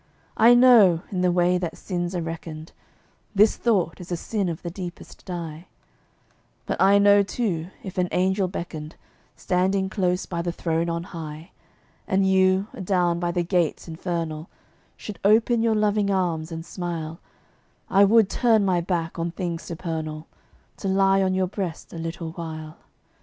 I know, in the way that sins are reckoned, This thought is a sin of the deepest dye; But I know, too, if an angel beckoned, Standing close by the Throne on High, And you, adown by the gates infernal, Should open your loving arms and smile, I would turn my back on things supernal, To lie on your breast a little while.